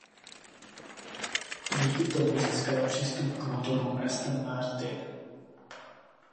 Díky tomu získala přístup k motorům Aston Martin.